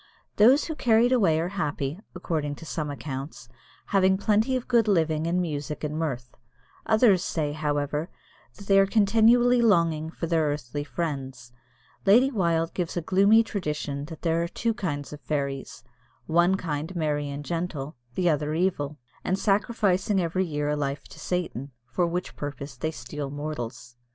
Those who are carried away are happy, according to some accounts, having plenty of good living and music and mirth. Others say, however, that they are continually longing for their earthly friends. Lady Wilde gives a gloomy tradition that there are two kinds of fairies one kind merry and gentle, the other evil, and sacrificing every year a life to Satan, for which purpose they steal mortals.